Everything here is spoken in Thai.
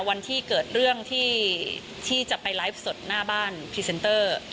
วันที่เกิดเรื่องที่จะไปไลฟ์สดหน้าบ้านพรีเซนเตอร์